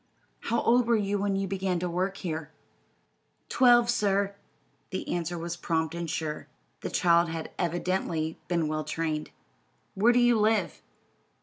"How old were you when you began to work here?" "Twelve, sir." The answer was prompt and sure. The child had evidently been well trained. "Where do you live?"